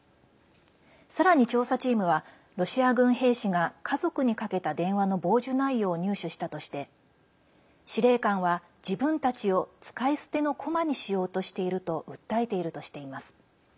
さらに調査チームはロシア軍兵士が家族にかけた電話の傍受内容を入手したとして司令官は自分たちを使い捨ての駒にしようとしていると訴えているとしています。